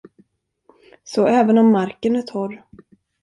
Så även om marken är torr.